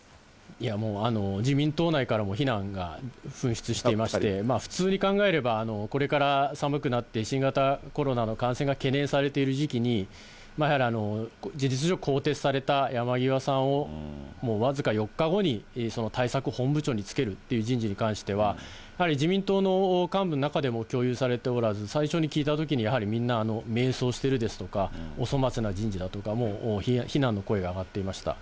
いやもう、自民党内からも非難が噴出していまして、普通に考えれば、これから寒くなって、新型コロナの感染が懸念されている時期に、やはり事実上更迭された山際さんを、もう僅か４日後に対策本部長に就けるっていう人事に関しては、やはり自民党の幹部の中でも共有されておらず、最初に聞いたときに、やはりみんな、迷走してるですとか、お粗末な人事だとか、非難の声が上がっていました。